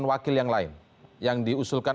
wakil yang lain yang diusulkan